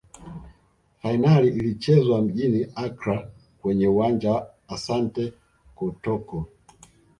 fainali ilichezwa mjini accra kwenye uwanja wa asante kotoko